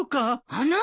あなた。